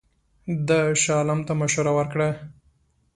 ده شاه عالم ته مشوره ورکړه.